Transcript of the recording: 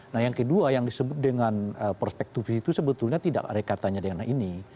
nah yang kedua yang disebut dengan prospektus itu sebetulnya tidak rekatannya dengan ini